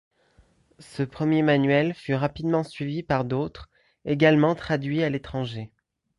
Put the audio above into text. Ce premier manuel fut rapidement suivi par d'autres, également traduits à l'étranger.